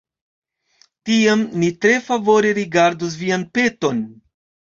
Tiam ni tre favore rigardos vian peton.